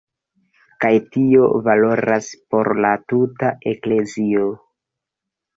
Kaj tio valoras por la tuta eklezio.